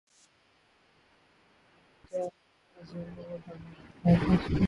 برداشت کروں گا پھر عظیم عمر بن الخطاب رض کا